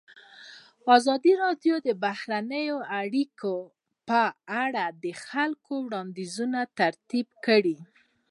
ازادي راډیو د بهرنۍ اړیکې په اړه د خلکو وړاندیزونه ترتیب کړي.